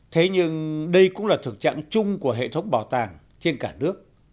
thế nhưng đây cũng là thực trạng chung của hệ thống bảo tàng trên cả nước